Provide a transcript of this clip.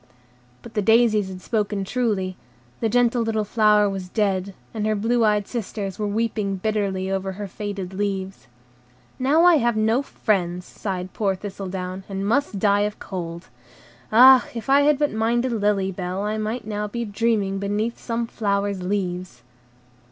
But the daisies had spoken truly; the gentle little flower was dead, and her blue eyed sisters were weeping bitterly over her faded leaves. "Now I have no friends," sighed poor Thistledown, "and must die of cold. Ah, if I had but minded Lily Bell, I might now be dreaming beneath some flower's leaves."